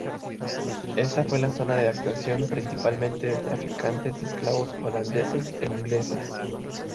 Esta fue la zona de actuación principalmente de traficantes de esclavos holandeses e ingleses.